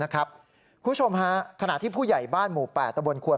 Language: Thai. คุณผู้ชมฮะขณะที่ผู้ใหญ่บ้านหมู่๘ตะบนควน